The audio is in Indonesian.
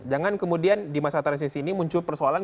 jangan kemudian di masa transisi ini muncul persoalan